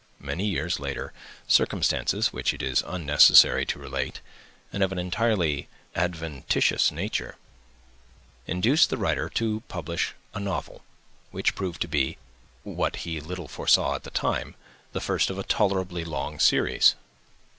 Many years later, circumstances, which it is unnecessary to relate, and of an entirely adventitious nature, induced the writer to publish a novel, which proved to be, what he little foresaw at the time, the first of a tolerably long series.